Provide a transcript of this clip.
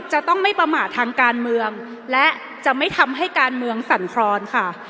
จะต้องไม่ประมาททางการเมืองและจะไม่ทำให้การเมืองสั่นครอนค่ะ